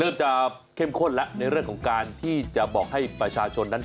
เริ่มจะเข้มข้นแล้วในเรื่องของการที่จะบอกให้ประชาชนนั้น